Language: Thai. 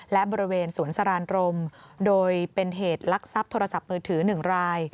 และบริเวณสวนสรานรมโดยเป็นเหตุลักษัพโทรศัพท์มือถือ๑ราย